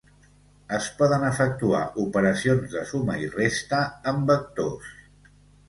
Es poden efectuar operacions de suma i resta amb vectors.